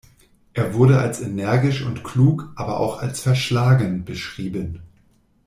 Er wurde als energisch und klug, aber auch als verschlagen beschrieben.